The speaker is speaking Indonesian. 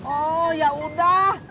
oh ya udah